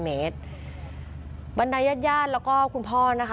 ๕๐๐เมตรบันไดยาดแล้วก็คุณพ่อนะคะ